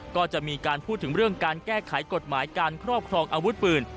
ก็จะมีการพูดถึงเรื่องการแก้ไขกฎหมายการครอบครองอาวุธปืน